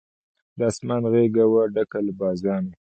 د آسمان غېږه وه ډکه له بازانو